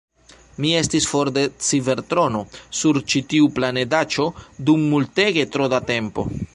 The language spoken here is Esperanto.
Mi estis for de Cibertrono sur ĉi tiu planedaĉo dum multege tro da tempo!